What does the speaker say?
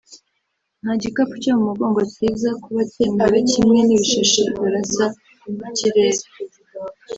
nta gikapu cyo mu mugongo kiza kuba cyemewe kimwe n’ibishashi barasa mu kirere